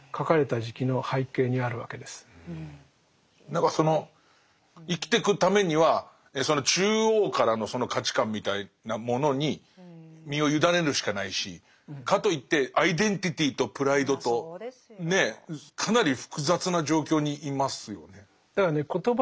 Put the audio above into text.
何かその生きてくためにはその中央からの価値観みたいなものに身を委ねるしかないしかといってアイデンティティーとプライドとねえかなり複雑な状況にいますよね。